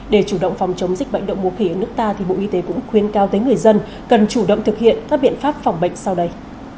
để chủ động phòng chống dịch bệnh đậu mùa khỉ ở nước ta bộ y tế cũng khuyên cao tới người dân cần chủ động thực hiện các biện pháp phòng bệnh sau đây